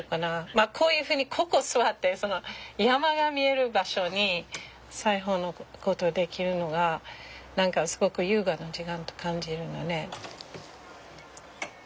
まあこういうふうにここ座って山が見える場所に裁縫のことできるのが何かすごく優雅な時間と感じるのね。